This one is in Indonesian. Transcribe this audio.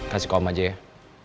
kasih ke om aja ya